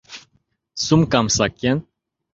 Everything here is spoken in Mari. Сумкам сакен.